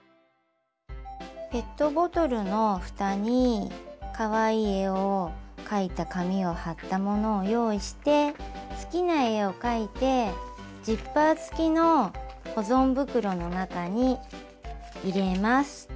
ペットボトルのふたにかわいい絵を描いた紙を貼ったものを用意して好きな絵を描いてジッパー付きの保存袋の中に入れます。